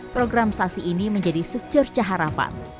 program sasi ini menjadi secerca harapan